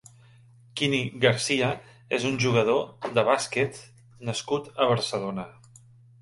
Quini García és un jugador de bàsquet nascut a Barcelona.